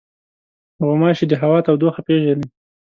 غوماشې د هوا تودوخه پېژني.